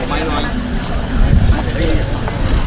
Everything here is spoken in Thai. ภาษาสนิทยาลัยสุดท้าย